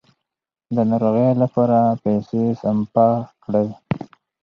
د ناروغۍ لپاره پیسې سپما کړئ.